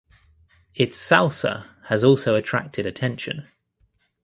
Its salsa has also attracted attention.